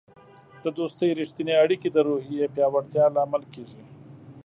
د دوستی رښتیني اړیکې د روحیې پیاوړتیا لامل کیږي.